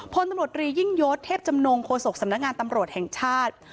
พลตำรวจรียิ่งยศเทพจำนงโฆษกสำนักงานตำรวจแห่งชาติ